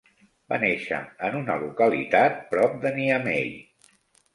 Va néixer en una localitat prop de Niamey.